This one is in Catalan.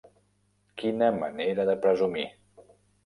Quina manera de presumir!